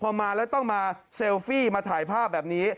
พอมาแล้วต้องมาเซลฟี่มาถ่ายภาพแบบนี้